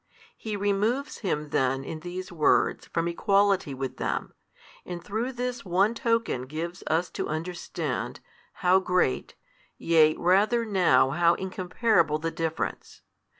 He: removes Him then in these words from equality with them, and through this one token gives us to understand, how great, yea, rather now how incomparable the difference.